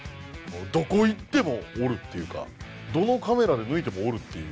どこ行ってもおるっていうかどのカメラで抜いてもおるっていう。